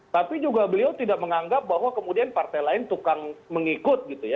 tapi juga beliau tidak menganggap bahwa kemudian partai lain tukang mengikut gitu ya